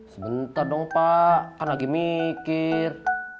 sebentar dong pak kan lagi mikir